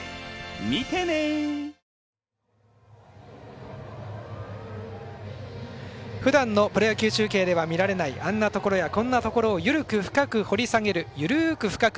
見てね！ふだんのプロ野球中継では見られないあんなところやこんなところをゆるく深く掘り下げる「ゆるく深く！